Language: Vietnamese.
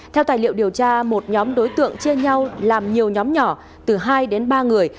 theo tài liệu điều tra một nhóm đối tượng chia nhau làm nhiều nhóm nhỏ từ hai đến ba người